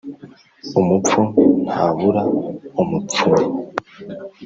Umupfu ntabura umupfunya.